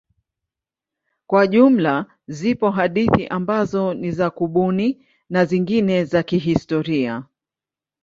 Kwa jumla zipo hadithi ambazo ni za kubuni na zingine za kihistoria.